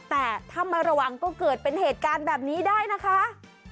แต่ถ้าไม่ระวังก็เกิดเป็นเหตุการณ์แบบนี้ได้นะคะ